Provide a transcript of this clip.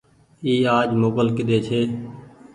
اي آج موڪل ڪيۮي ڇي۔